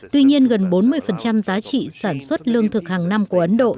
tuy nhiên gần bốn mươi giá trị sản xuất lương thực hàng năm của ấn độ